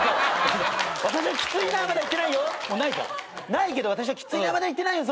ないけど私は「きついな」までは言ってないよ